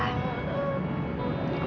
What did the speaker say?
waktu tante ambar